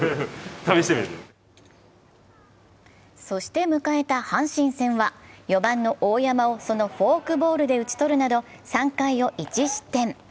そして迎えた阪神戦は、４番の大山をそのフォークボールで打ち取るなど３回を１失点。